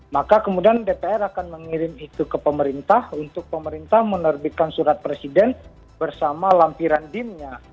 maka kemudian dpr akan mengirim itu ke pemerintah untuk pemerintah menerbitkan surat presiden bersama lampiran dimnya